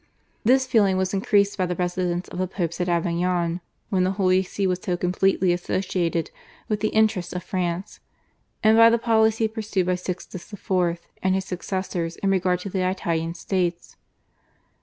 This feeling was increased by the residence of the Popes at Avignon, when the Holy See was so completely associated with the interests of France, and by the policy pursued by Sixtus IV. and his successors in regard to the Italian States.